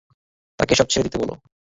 তাকে সব ছেড়ে দিতে বল।